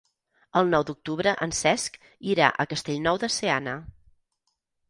El nou d'octubre en Cesc irà a Castellnou de Seana.